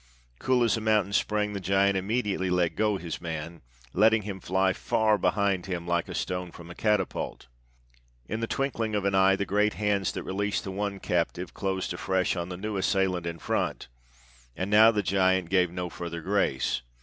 Cool as a mountain spring, the giant immediately let go his man, letting him fly far behind him like a stone from a catapult. In a twinkling of an eye, the great hands that released the one captive closed afresh on the new assailant in front, and now the giant gave no further grace.